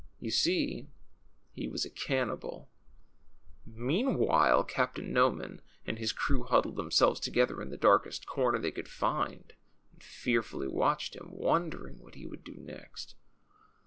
You see, he was a cannibal. Meanwhile Captain Noman and his crew huddled them selves together in the darkest corner they could find and fearfully watched him, wondering what he would do next."